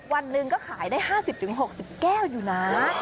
วันหนึ่งก็ขายได้ห้าสิบถึงหกสิบแก้วอยู่นะ